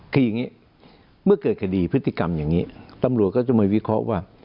คืออย่างนี้เมื่อเกิดคดีพฤติกรรมอย่างนี้ตำรวจก็จะมาวิเคราะห์ว่า